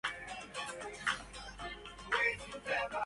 طلع الفجر ووافى مشرقا